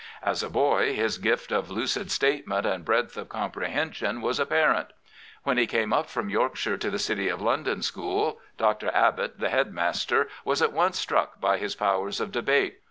As a boy his gift >f lucid statement and breadth of comprehension was apparent. When he came up from Yorkshire to the City of London School, Dr. Abbott, the head master, was at once struck by his powers of debate.